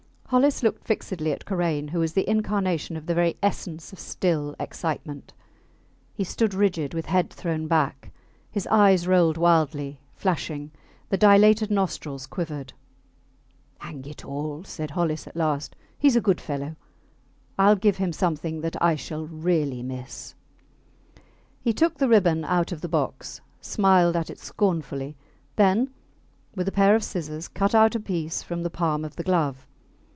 Hollis looked fixedly at Karain, who was the incarnation of the very essence of still excitement. He stood rigid, with head thrown back; his eyes rolled wildly, flashing; the dilated nostrils quivered. Hang it all! said Hollis at last, he is a good fellow. Ill give him something that I shall really miss. He took the ribbon out of the box, smiled at it scornfully, then with a pair of scissors cut out a piece from the palm of the glove.